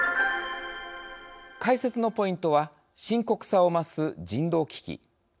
解説のポイントは深刻さを増す人道危機。